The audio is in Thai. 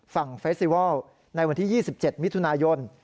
เฟสติวัลในวันที่๒๗มิถุนายน